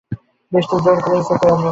বৃষ্টি জোর করে চেপে এল।